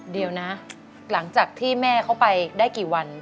เดี๋ยวนะหลังจากที่แม่เขาไปได้กี่วัน